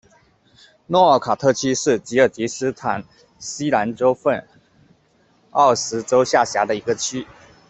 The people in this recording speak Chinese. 诺奥卡特区是吉尔吉斯斯坦西南州份奥什州下辖的一个区。